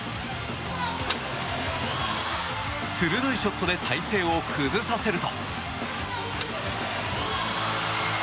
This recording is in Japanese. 鋭いショットで体勢を崩させると。